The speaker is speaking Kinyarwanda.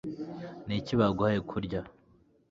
ni iki baguhaye kurya